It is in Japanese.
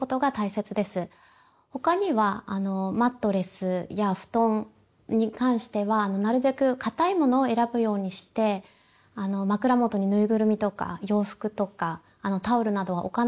他にはマットレスや布団に関してはなるべく硬いものを選ぶようにして枕元にぬいぐるみとか洋服とかタオルなどは置かないと。